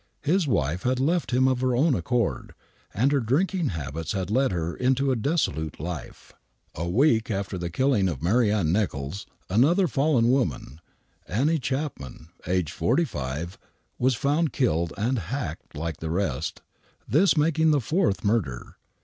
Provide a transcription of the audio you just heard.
His wife had left him of her own accord,, and her drinking habits had led her into a dissolute life. A week after the killing of Mary Ann IN'icholls, another fallen woman — ^Annie Chapman, aged forty five — ^was found killed and hacked like the rest, this making the fourth murder.